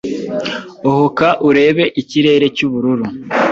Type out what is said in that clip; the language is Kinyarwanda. ohoka urebe ikirere cyubururu.